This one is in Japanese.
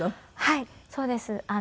はいそうです。